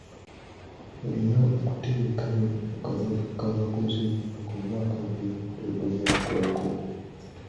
Olina okuteekayo akabaga k'abakozi bo ng'omwaka guno tegunnagwako.